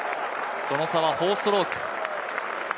その差は４ストローク。